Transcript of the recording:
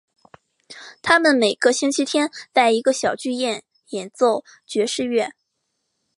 他们每个星期天在一个小剧院演奏爵士乐。